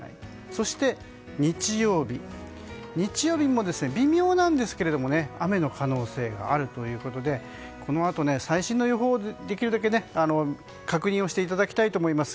そして日曜日も微妙なんですが雨の可能性があるということでこのあと最新の予報をできるだけ確認していただきたいと思います。